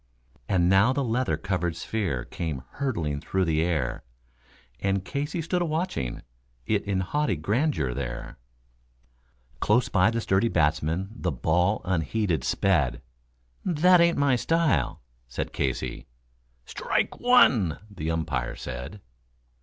And now the leather covered sphere came hurtling through the air, And Casey stood a watching it in haughty grandeur there; Close by the sturdy batsman the ball unheeded sped: "That ain't my style," said Casey. "Strike one," the umpire said.